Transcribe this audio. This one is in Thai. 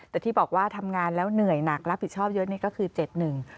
แต่ที่บอกว่าทำงานแล้วเหนื่อยหนักรับผิดชอบเยอะนี่ก็คือเจ็ดหนึ่ง